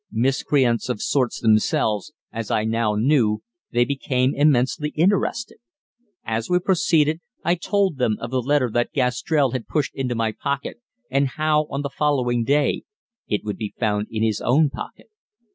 Miscreants of sorts themselves, as I now knew, they became immensely interested. As we proceeded I told them of the letter that Gastrell had pushed into my pocket, and how, on the following day, it would be found in his own pocket.